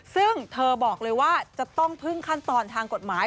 ซึ่งเธอบอกเลยว่าจะต้องพึ่งขั้นตอนทางกฎหมาย